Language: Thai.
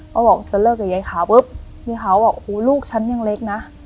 เขาบอกจะเลิกกับยายขาวปุ๊บยายขาวบอกโอ้โหลูกฉันยังเล็กนะ